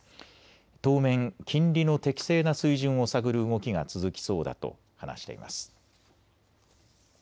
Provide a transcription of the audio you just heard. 当面、金利の適正な水準を探る動きが続きそうだと話しています。